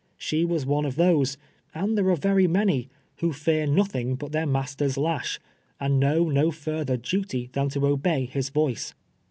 She was one of those, and there are very many, who fear nothing but their mas ter's lash, and know no further duty than to obey his voice.